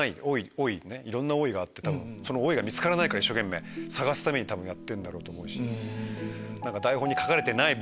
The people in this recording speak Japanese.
「おい」もいろんな「おい」があってその「おい」が見つからないから一生懸命探すために多分やってるんだろうと思うし。